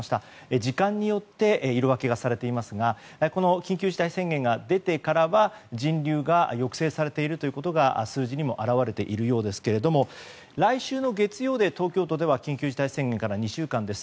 それが色分けされていますが緊急事態宣言が出てからは人流が抑制されていることが数字に表れていますが来週月曜で東京都は緊急事態宣言から２週間です。